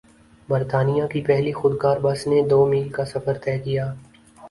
برطانیہ کی پہلی خودکار بس نے دو میل کا سفر طے کیا